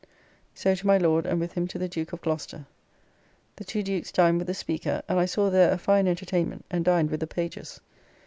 So to my Lord and with him to the Duke of Gloucester. The two Dukes dined with the Speaker, and I saw there a fine entertainment and dined with the pages.